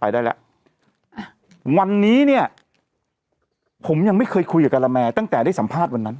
ไปได้แล้ววันนี้เนี่ยผมยังไม่เคยคุยกับกะละแมตั้งแต่ได้สัมภาษณ์วันนั้น